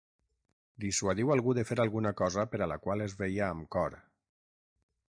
Dissuadiu algú de fer alguna cosa per a la qual es veia amb cor.